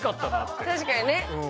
確かにね。